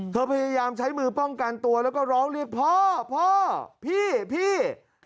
พยายามใช้มือป้องกันตัวแล้วก็ร้องเรียกพ่อพ่อพี่